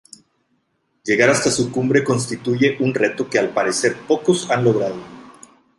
Llegar hasta su cumbre constituye un reto que al parecer pocos han logrado.